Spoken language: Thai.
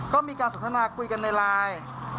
ก็มีการสนทนาคุยกันในไลน์